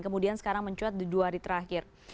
kemudian sekarang mencuat di dua hari terakhir